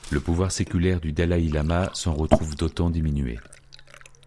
Le pouvoir séculaire du dalaï-lama s'en retrouve d'autant diminué.